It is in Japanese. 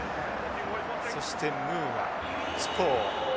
そしてムーアトゥポウ。